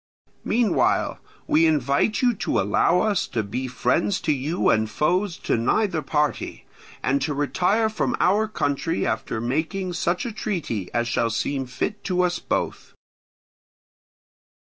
Meanwhile we invite you to allow us to be friends to you and foes to neither party, and to retire from our country after making such a treaty as shall seem fit to us both."